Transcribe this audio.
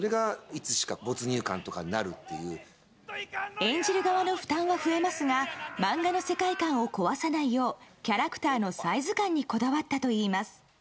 演じる側の負担は増えますが漫画の世界観を壊さないようキャラクターのサイズ感にこだわったといいます。